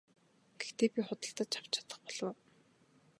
Гэхдээ би худалдаж авч чадах болов уу?